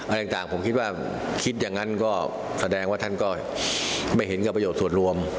อะไรต่างผมคิดว่าคิดอย่างนั้นก็แสดงว่าท่านก็ไม่เห็นกับประโยชน์ส่วนรวม